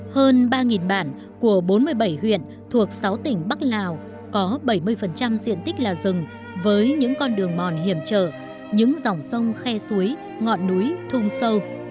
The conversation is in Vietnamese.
hơn ba bản của bốn mươi bảy huyện thuộc sáu tỉnh bắc lào có bảy mươi diện tích là rừng với những con đường mòn hiểm trở những dòng sông khe suối ngọn núi thung sâu